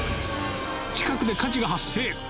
・近くで火事が発生！